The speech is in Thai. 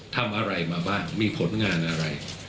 ทำอะไรมาบ้างมีผลงานอะไร